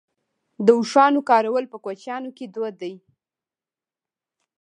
د اوښانو کارول په کوچیانو کې دود دی.